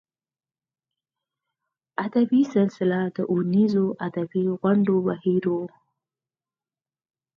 ادبي سلسله د اوونیزو ادبي غونډو بهیر و.